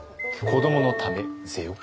子どものためぜよ。